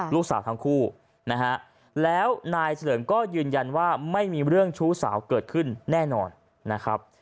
ลูกสาวทั้งคู่นะฮะแล้วนายเฉลิมก็ยืนยันว่าไม่มีเรื่องชู้สาวเกิดขึ้นแน่นอนนะครับ